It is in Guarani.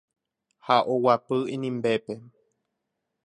ha oguapy inimbépe.